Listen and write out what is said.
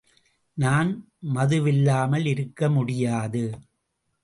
நான் மதுவில்லாமல் இருக்கமுடியாது!